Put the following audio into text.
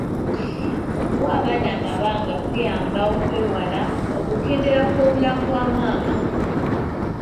Okuwa abaana amabanga kuyamba okwewala okukendeera kw’obulamu bwa maama.